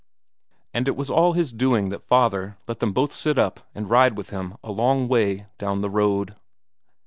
And it was all his doing that father let them both sit up and ride with him a long way down the road.